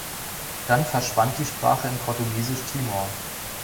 Dann verschwand die Sprache in Portugiesisch-Timor.